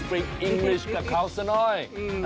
พริกอิงเวริชกับเขาสักหน่อย